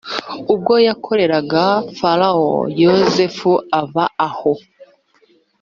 ubwo yakoreraga farawo. yosefu ava aho.